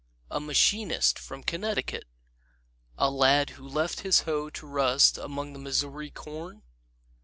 A machinist from Connecticut? A lad who left his hoe to rust among the Missouri corn?